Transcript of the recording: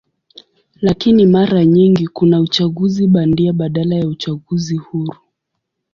Lakini mara nyingi kuna uchaguzi bandia badala ya uchaguzi huru.